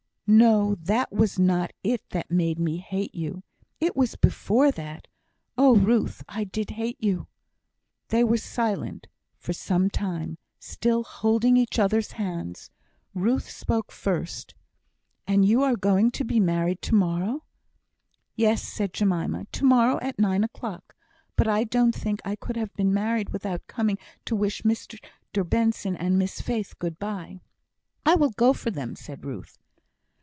"No, that was not it that made me hate you. It was before that. Oh, Ruth, I did hate you!" They were silent for some time, still holding each other's hands. Ruth spoke first. "And you are going to be married to morrow!" "Yes," said Jemima. "To morrow, at nine o'clock. But I don't think I could have been married without coming to wish Mr Benson and Miss Faith good bye." "I will go for them," said Ruth.